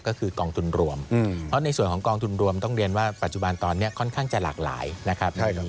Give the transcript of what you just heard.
ก็คือกองทุนรวมเพราะในส่วนของกองทุนรวมต้องเรียนว่าปัจจุบันตอนนี้ค่อนข้างจะหลากหลายนะครับ